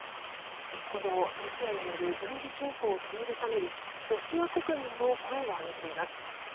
このロシアによる軍事侵攻を止めるためにロシア国民も声を上げています。